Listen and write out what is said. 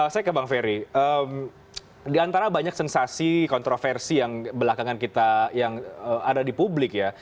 saya ke bang ferry diantara banyak sensasi kontroversi yang belakangan kita yang ada di publik ya